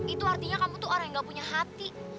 itu artinya kamu tuh orang yang gak punya hati